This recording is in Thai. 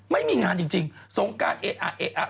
ไม่มีงานจริงสงการเอ๊ะอ่ะเอ๊ะอ่ะ